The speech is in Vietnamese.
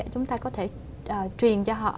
chúng ta có thể truyền cho họ